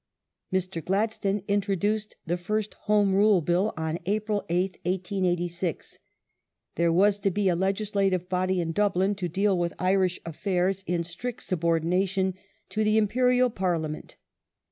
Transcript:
Mr. Gladstone introduced the fii st Home Rule Bill on April 8th, The first 1886. There was to be a Legislative Body ^ in Dublin to deal with ^^."^^p.,, Irish affairs in strict subordination to the Imperial Parliament.